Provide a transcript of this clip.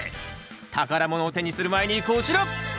宝物を手にする前にこちら！